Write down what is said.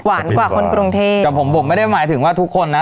กว่าคนกรุงเทพแต่ผมผมไม่ได้หมายถึงว่าทุกคนนะ